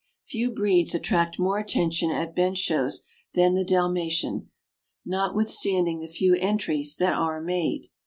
Few breeds attract more attention at bench shows than the Dalmatian, notwithstanding the few entries that are made.